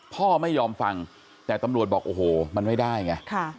พ่อไม่ยอมฟังแต่ตำรวจบอกโอ้โหมันไม่ได้ไง